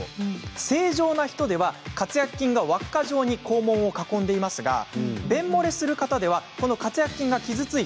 正常な人では、括約筋が輪っか状に肛門を囲んでいますが便もれする人ではこの括約筋が傷つき